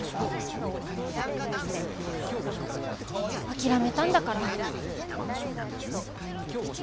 諦めたんだから。